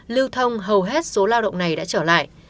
lưu thông hầu hết số lao động này đã trở lại